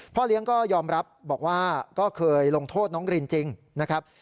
เลี้ยงก็ยอมรับบอกว่าก็เคยลงโทษน้องรินจริงนะครับ